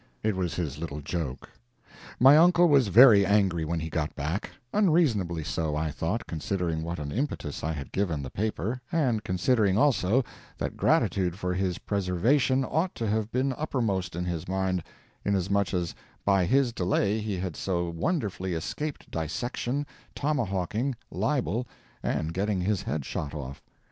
It was his little joke. My uncle was very angry when he got back—unreasonably so, I thought, considering what an impetus I had given the paper, and considering also that gratitude for his preservation ought to have been uppermost in his mind, inasmuch as by his delay he had so wonderfully escaped dissection, tomahawking, libel, and getting his head shot off.